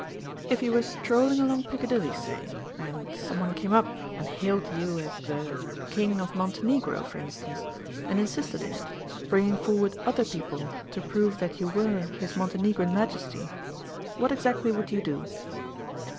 "If you were strolling along Piccadilly, say, and some one came up and hailed you as the King of Montenegro, for instance, and persisted in it, bringing forward other people to prove that you were His Montenegrin Majesty, what exactly would you do?"